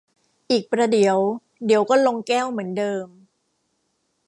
อีกประเดี๋ยว เดี๋ยวก็ลงแก้วเหมือนเดิม